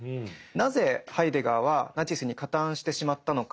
なぜハイデガーはナチスに加担してしまったのか。